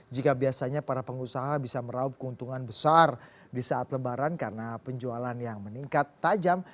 jika biasanya para pengusaha bisa meraup keuntungan besar di saat lebaran karena penjualan yang meningkat tajam